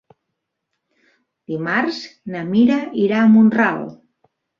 Dimarts na Mira irà a Mont-ral.